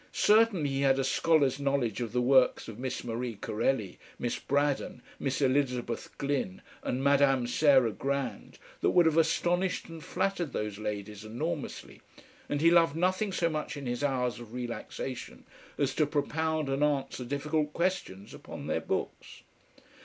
Certainly he had a scholar's knowledge of the works of Miss Marie Corelli, Miss Braddon, Miss Elizabeth Glyn and Madame Sarah Grand that would have astonished and flattered those ladies enormously, and he loved nothing so much in his hours of relaxation as to propound and answer difficult questions upon their books.